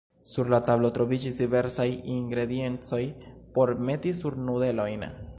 Sur la tablo troviĝis diversaj ingrediencoj por meti sur nudelojn.